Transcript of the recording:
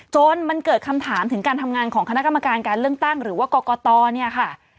จนมันเกิดคำถามถึงการทำงานของคณะกรรมการการเลือกตั้งหรือว่ากรกตเนี่ยค่ะ